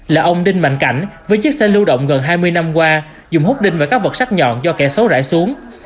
là ông đinh mạnh cảnh với chiếc xe lưu động gần hai mươi năm qua dùng hút đinh và các vật sắt nhọn do kẻ xấu rải xuống